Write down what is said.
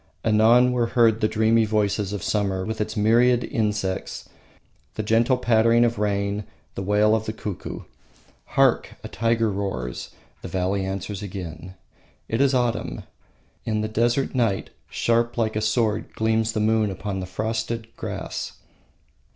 Anon were heard the dreamy voices of summer with its myriad insects, the gentle pattering of rain, the wail of the cuckoo. Hark! a tiger roars, the valley answers again. It is autumn; in the desert night, sharp like a sword gleams the moon upon the frosted grass.